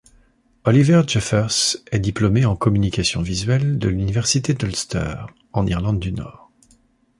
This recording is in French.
Oliver Jeffers est diplômé en communication visuelle de l'Université d'Ulster, en Irlande du Nord.